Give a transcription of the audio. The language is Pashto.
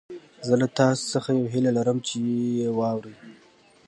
زه له تاسو څخه يوه هيله لرم چې يې واورئ.